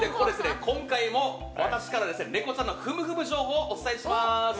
今回も私からネコちゃんのふむふむ情報をお伝えします。